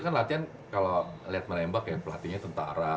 kalau latihan itu kan latihan kalau lihat menembak ya pelatihnya tentara